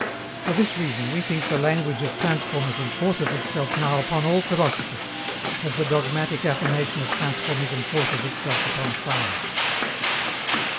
For this reason we think the language of transformism forces itself now upon all philosophy, as the dogmatic affirmation of transformism forces itself upon science.